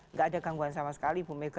nggak ada gangguan sama sekali ibu mega